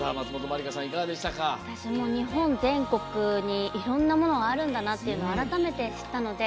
私、日本全国にいろんなものがあるんだなっていうのを改めて知ったので。